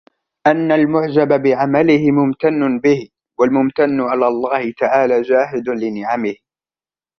أَنَّ الْمُعْجَبَ بِعَمَلِهِ مُمْتَنٌّ بِهِ وَالْمُمْتَنُّ عَلَى اللَّهِ تَعَالَى جَاحِدٌ لِنِعَمِهِ